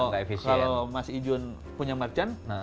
kalau mas ijun punya merchant